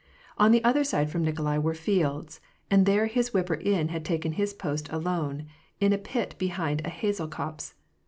On the other side from Nikolai were fields ; and there his whipper in had taken his post alone, in a pit behind a hazel copse.